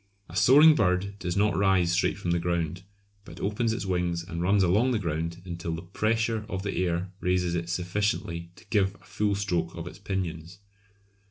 A soaring bird does not rise straight from the ground, but opens its wings and runs along the ground until the pressure of the air raises it sufficiently to give a full stroke of its pinions.